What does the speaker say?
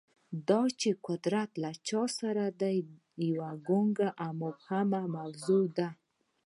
دا چې قدرت له چا سره دی، یوه ګونګه او مبهمه موضوع ده.